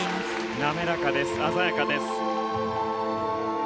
滑らかです、鮮やかです。